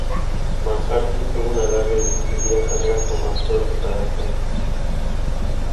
McCarthy tuvo una larga y distinguida carrera como actor de carácter.